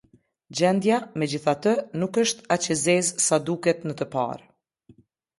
Gjendja, megjithatë, nuk është edhe aq e zezë sa duket në të parë.